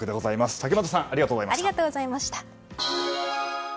竹俣さんありがとうございました。